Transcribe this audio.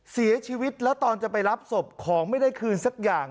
เสียชีวิตแล้วตอนจะไปรับศพของไม่ได้คืนสักอย่าง